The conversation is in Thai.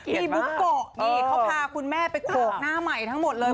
บุ๊กโกะนี่เขาพาคุณแม่ไปโขกหน้าใหม่ทั้งหมดเลย